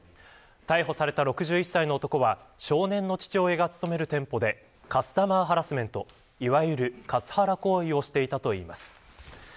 逮捕された６１歳の男は少年の父親が勤める店舗でカスタマーハラスメントいわゆるカスハラ行為をしていたといいます。